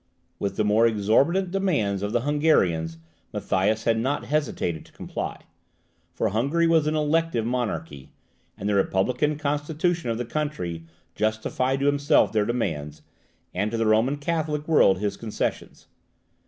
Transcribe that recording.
With the more exorbitant demands of the Hungarians Matthias had not hesitated to comply. For Hungary was an elective monarchy, and the republican constitution of the country justified to himself their demands, and to the Roman Catholic world his concessions.